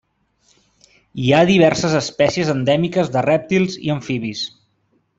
Hi ha diverses espècies endèmiques de rèptils i amfibis.